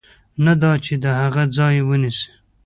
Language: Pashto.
نه دا چې د هغه ځای ونیسي.